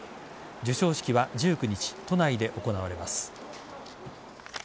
授賞式は１９日都内で行われます。